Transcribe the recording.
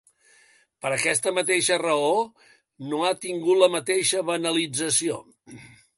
Per aquesta mateixa raó, no ha tingut la mateixa banalització.